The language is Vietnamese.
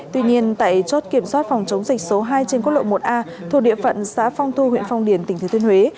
tuy nhiên tại chốt kiểm soát phòng chống dịch số hai trên quốc lộ một a thuộc địa phận xã phong thu huyện phong điển tỉnh thừa thiên huế